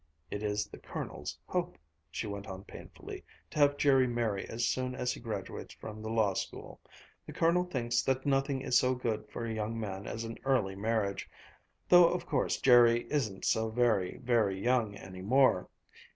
"It is the Colonel's hope," she went on painfully, "to have Jerry marry as soon as he graduates from the Law School. The Colonel thinks that nothing is so good for a young man as an early marriage though of course Jerry isn't so very, very young any more.